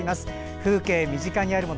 風景、身近にあるもの。